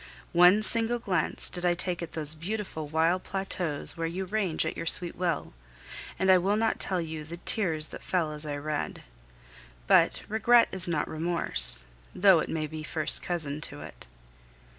One single glance did I take at those beautiful wild plateaus where you range at your sweet will, and I will not tell you the tears that fell as I read. But regret is not remorse, though it may be first cousin to it.